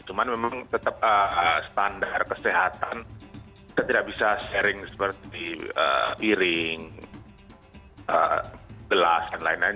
cuman memang tetap standar kesehatan kita tidak bisa sharing seperti piring gelas dan lain lain